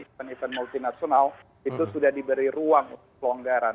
event event multinasional itu sudah diberi ruang untuk pelonggaran